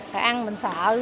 thì ăn mình sợ